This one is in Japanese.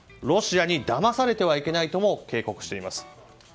ロシアにだまされてはいけないとも警告しています。